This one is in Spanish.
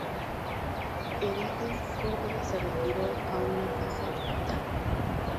Herido, Córdova se retiró a una casa hospital.